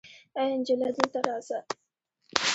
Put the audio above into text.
آې انجلۍ دلته راسه